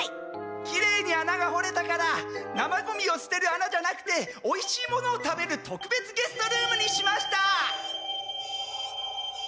きれいに穴が掘れたから生ゴミをすてる穴じゃなくておいしいものを食べるとくべつゲストルームにしました！